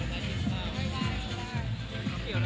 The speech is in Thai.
ไม่ได้ใช่มะ